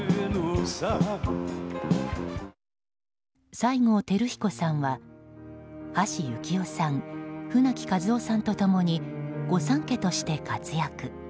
西郷輝彦さんは、橋幸夫さん舟木一夫さんと共に御三家として活躍。